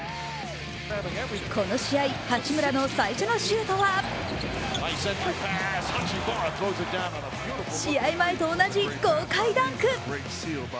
この試合、八村の最初のシュートは試合前と同じ豪快ダンク。